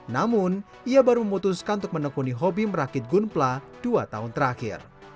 namun ia baru memutuskan untuk menekuni hobi merakit gunpla dua tahun terakhir